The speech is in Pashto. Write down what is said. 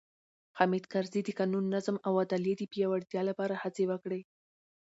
حامد کرزي د قانون، نظم او عدلیې د پیاوړتیا لپاره هڅې وکړې.